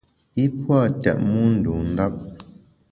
I pua’ tètmu ndun ndap.